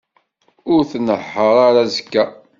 Ur tnehheṛ ara azekka.